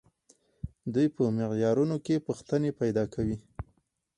دوی په معیارونو کې پوښتنې پیدا کوي.